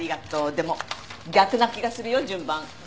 でも逆な気がするよ順番。